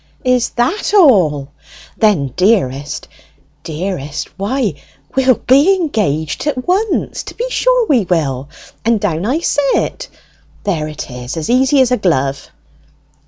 "Is that all? Then, dearest, dearest, why we'll be engaged at once, to be sure we will, and down I sit! There it is, as easy as a glove!"